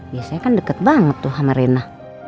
biasanya kan deket banget tuh sama rena